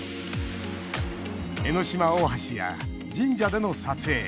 江ノ島大橋や神社での撮影。